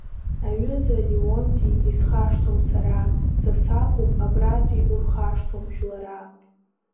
Аҩыза Леонти, исхашҭуам сара, са сакәым абратәи урхашҭуам жәлара.